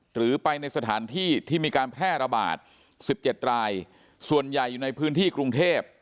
หรือไปในสถานที่ที่มีการแพร่ระบาด๑๗รายส่วนใหญ่อยู่ในพื้นที่กรุงเทพ